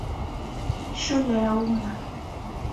Shule ya Umma.